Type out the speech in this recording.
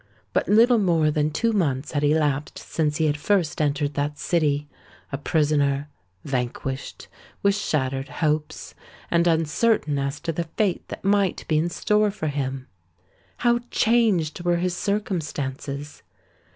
But little more than two months had elapsed since he had first entered that city, a prisoner—vanquished—with shattered hopes—and uncertain as to the fate that might be in store for him. How changed were his circumstances!